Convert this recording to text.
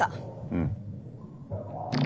うん。